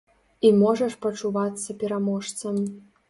І можаш пачувацца пераможцам.